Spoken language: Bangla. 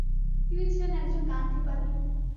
তিনি ছিলেন একজন গান্ধীবাদী।